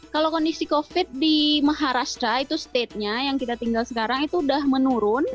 kalau kondisi covid di maharashtra itu statenya yang kita tinggal sekarang itu udah menurun